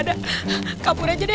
weku ini lagidet yu toh